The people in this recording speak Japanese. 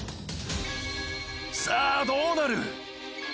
さあどうなる？